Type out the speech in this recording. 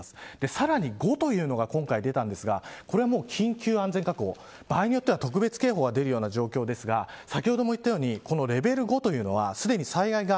さらに５というのが今回出たんですがこれは緊急安全確保場合によっては特別警報が出るような状況ですが先ほども言ったようにレベル５というのは、すでに災害が